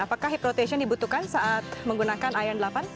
apakah hip rotation dibutuhkan saat menggunakan iron delapan